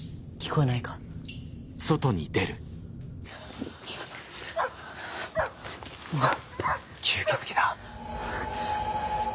えっ！